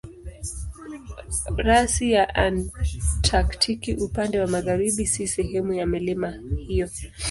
Rasi ya Antaktiki upande wa magharibi si sehemu ya milima hiyo.